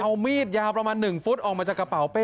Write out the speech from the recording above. เอามีดยาวประมาณ๑ฟุตออกมาจากกระเป๋าเป้